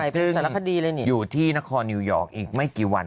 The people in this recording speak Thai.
ซึ่งอยู่ที่นครนิวยอร์กอีกไม่กี่วัน